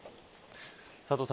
佐藤さん